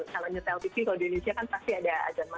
kalau nyetel pikir kalau di indonesia kan pasti ada ajan maghrib ya